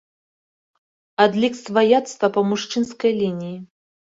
Адлік сваяцтва па мужчынскай лініі.